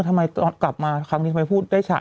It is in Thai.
ทำไมกลับมาทำไมพูดได้ฉ่า